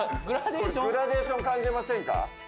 グラデーション感じませんか？